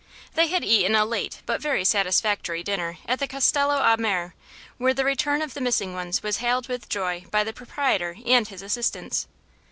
They had eaten a late but very satisfactory dinner at the Castello a Mare, where the return of the missing ones was hailed with joy by the proprietor and his assistants.